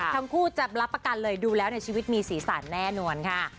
ทั้งคู่จะรับประกันเลยดูแล้วในชีวิตมีสีสันแน่นอนค่ะ